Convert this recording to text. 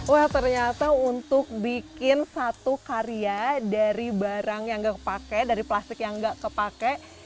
wah ternyata untuk bikin satu karya dari barang yang tidak terpakai dari plastik yang tidak terpakai